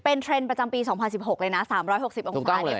เป็นเทรนด์ประจำปี๒๐๑๖เลยนะ๓๖๐องศาเนี่ย